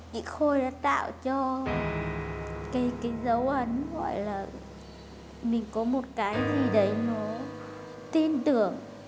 chị khôi đã tạo cho cái dấu ấn gọi là mình có một cái gì đấy nó tin tưởng